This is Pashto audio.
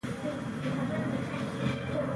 په داسې حال کې چې له اجتماعي مرګ سره لاس او ګرېوان يو.